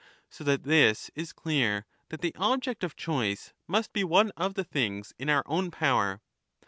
So that this is clear, that the object of choice must be one of the things in our own power.